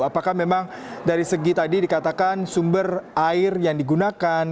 apakah memang dari segi tadi dikatakan sumber air yang digunakan